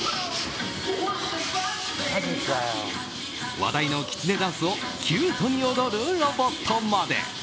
話題のきつねダンスをキュートに踊るロボットまで。